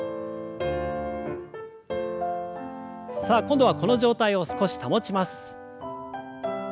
さあ今度はこの状態を少し保ちます。